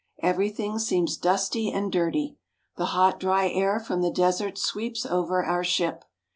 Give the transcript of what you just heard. Everything seems dusty and dirty. The hot, dry air from the desert sweeps over our ship.